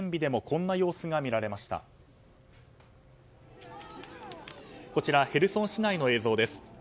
こちらヘルソン市内の映像です。